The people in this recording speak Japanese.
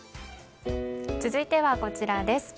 続いては、こちらです。